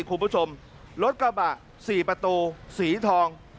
คุณผู้ชมรถกระบะ๔ประตูสีทอง